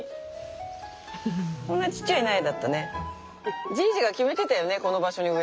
こんなちっちゃい苗だったね。